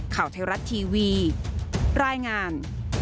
ข่าวไทยรัฐทีวีรายงาน